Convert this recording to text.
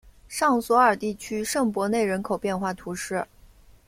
尚索尔地区圣博内人口变化图示